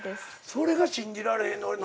それが信じられへん。